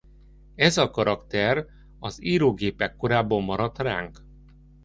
Ez a karakter az írógépek korából maradt ránk.